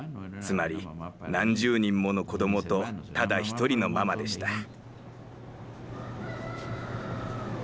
つまり何十人もの子どもとただ一人のママでした。